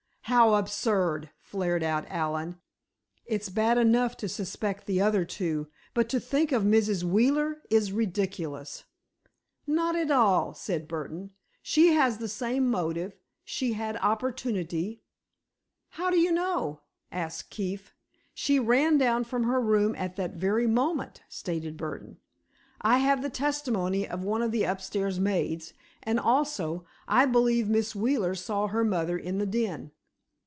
"How absurd!" flared out Allen. "It's bad enough to suspect the other two, but to think of Mrs. Wheeler is ridiculous!" "Not at all," said Burdon, "she had the same motive—she had opportunity——" "How do you know?" asked Keefe. "She ran down from her room at that very moment," stated Burdon. "I have the testimony of one of the upstairs maids, and, also, I believe Miss Wheeler saw her mother in the den."